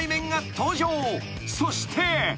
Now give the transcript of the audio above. ［そして］